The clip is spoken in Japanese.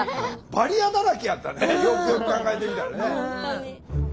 バリアだらけやったねよくよく考えてみたらね。